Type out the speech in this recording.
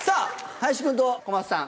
林君と小松さん